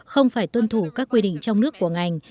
không phải tuân thủ các quy định trong nước của ngành